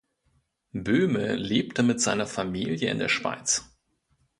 Böhme lebte mit seiner Familie in der Schweiz.